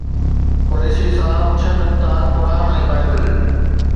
قريشي صاحب ڇهه نقطا قرآن ۽ بائبل